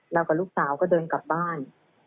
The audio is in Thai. กับลูกสาวก็เดินกลับบ้าน